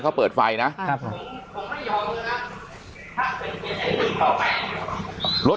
เขาเปิดไฟนะครับครับ